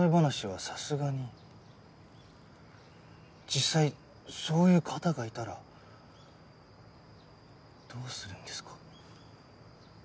実際そういう方がいたらどうするんですか？